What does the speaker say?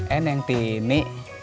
eh neng tini